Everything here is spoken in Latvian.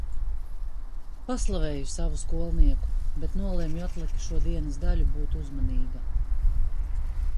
Paslavēju savu skolnieku, bet nolemju atlikušo dienas daļu būt uzmanīga.